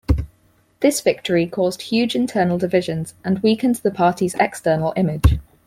This victory caused huge internal divisions and weakened the party's external image.